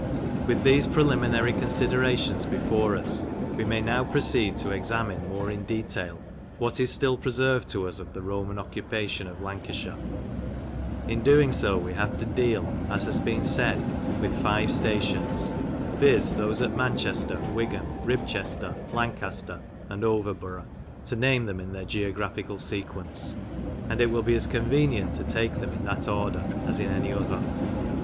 With these preliminary considerations before us, we may now proceed to examine more in detail what is still preserved to us of the Roman occupation of Lancashire. 38 MEMORIALS OF OLD LANCASHIRE In doing so we have to deal, as has been said, with five stations, viz., those at Manchester, Wigan, Ribchester, Lancaster, and Overborough, to name them in their geographical sequence, and it will be as convenient to take them in that order as in any other.